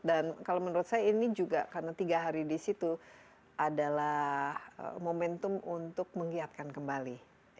dan kalau menurut saya ini juga karena tiga hari di situ adalah momentum untuk menghiapkan kembali